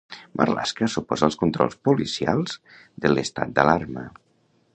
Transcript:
Marlaska s'oposa als controls policials de l'estat d'alarma